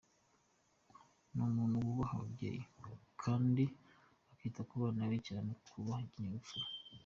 Ni umuntu wubaha ababyeyi be kandi akita ku bana be cyane mu kubaha ikinyabupfura.